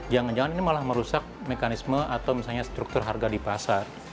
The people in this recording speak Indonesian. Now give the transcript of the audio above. jangan jangan ini malah merusak mekanisme atau misalnya struktur harga di pasar